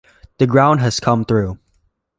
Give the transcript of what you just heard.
The ground has come through.